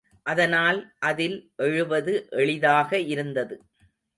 அதனால் அதில் எழுவது எளிதாக இருந்தது.